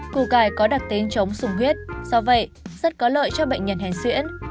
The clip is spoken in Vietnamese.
củ cải có đặc tính chống sùng huyết do vậy rất có lợi cho bệnh nhân hèn xuyễn